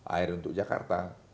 air untuk jakarta